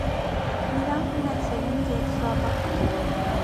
Նրանք ունեցել են յոթ զավակ։